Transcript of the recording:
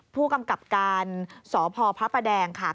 ผู้กำกับการสพพระประแดงค่ะ